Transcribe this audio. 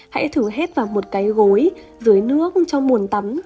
hãy thử hết vào một cái gối dưới nước cho buồn tắm